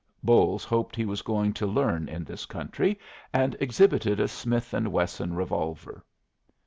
Bolles hoped he was going to learn in this country, and exhibited a Smith & Wesson revolver.